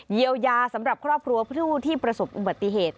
เยียวยาสำหรับครอบครัวผู้ที่ประสบอุบัติเหตุ